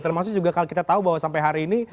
termasuk juga kalau kita tahu bahwa sampai hari ini